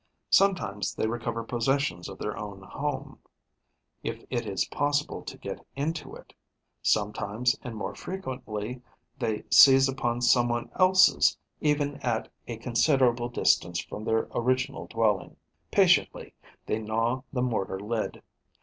Sometimes they recover possession of their own home, if it is possible to get into it; sometimes and more frequently they seize upon some one else's, even at a considerable distance from their original dwelling. Patiently they gnaw the mortar lid.